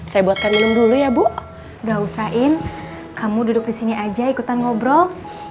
saya buatkan ilmu dulu ya bu ga usah in kamu duduk di sini aja ikutan ngobrol